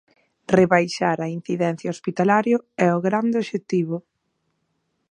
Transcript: Rebaixar a incidencia hospitalario é o grande obxectivo.